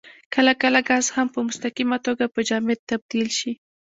کله کله ګاز هم په مستقیمه توګه په جامد تبدیل شي.